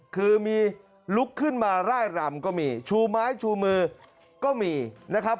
คือมีลุกขึ้นมาร่ายรำก็มีชูไม้ชูมือก็มีนะครับ